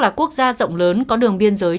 là quốc gia rộng lớn có đường biên giới